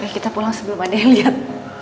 kita pulang sebelum ada yang lihat